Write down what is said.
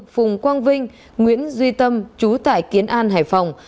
phùng quang vinh nguyễn duy tâm chú tại kiến an hải phòng